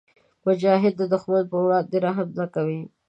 مجاهد د دښمن پر وړاندې رحم نه کوي.